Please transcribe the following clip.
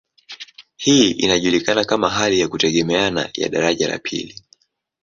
Hii inajulikana kama hali ya kutegemeana ya daraja la pili.